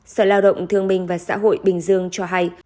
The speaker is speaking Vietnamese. sở lao động thương minh và xã hội bình dương cho hay